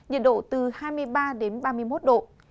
nhiệt độ từ hai mươi ba đến ba mươi một độ